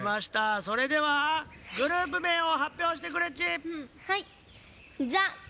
それではグループめいをはっぴょうしてくれっち。